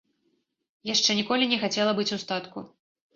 Яшчэ ніколі не хацела быць у статку.